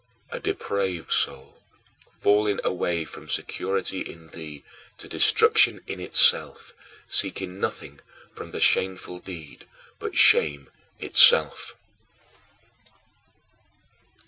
A depraved soul, falling away from security in thee to destruction in itself, seeking nothing from the shameful deed but shame itself.